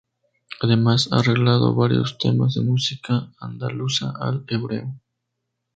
Además ha arreglado varios temas de música andaluza al hebreo.